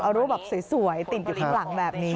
เอารูปแบบสวยติดอยู่ข้างหลังแบบนี้